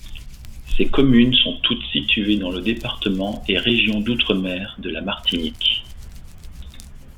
Ces communes sont toutes situées dans le département et région d'outre-mer de la Martinique.